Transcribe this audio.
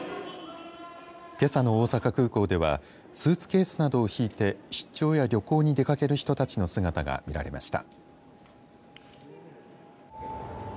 けさの大阪空港ではスーツケースなどを引いて出張や旅行に出かける人たちの姿が見られました。